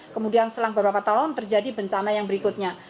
kemudian selang beberapa tahun terjadi bencana yang berikutnya